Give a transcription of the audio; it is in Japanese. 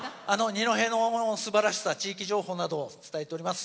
二戸のすばらしさ地域情報などを伝えています。